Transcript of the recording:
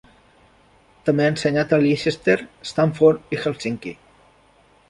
També ha ensenyat a Leicester, Stanford i Helsinki.